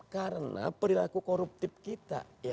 karena perlaku koruptif kita